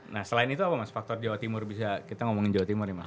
nah selain itu apa mas faktor jawa timur bisa kita ngomongin jawa timur ya mas